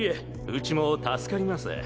ウチも助かります。